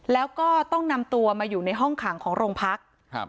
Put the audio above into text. แล้วก็ต้องนำตัวมาอยู่ในห้องขังของโรงพักครับ